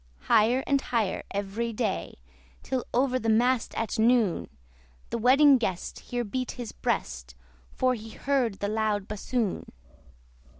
Higher and higher every day, Till over the mast at noon The Wedding Guest here beat his breast, For he heard the loud bassoon.